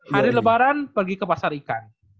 hari lebaran pergi ke pasar ikan